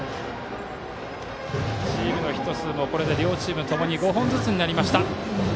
チームのヒット数も両チームともに５本ずつになりました。